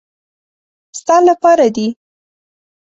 ستا له پاره دي .